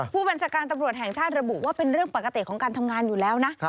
ผู้บัญชาการตำรวจแห่งชาติระบุว่าเป็นเรื่องปกติของการทำงานอยู่แล้วนะ